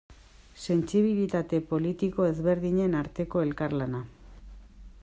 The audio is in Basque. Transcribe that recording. Sentsibilitate politiko ezberdinen arteko elkarlana.